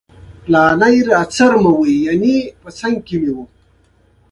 د فراه د فارول ښار د هخامنشي دورې مهم مرکز و